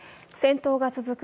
戦闘が続く